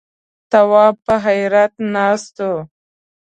تواب په حيرت ناست و.